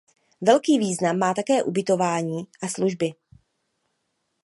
Velký význam má také ubytování a služby.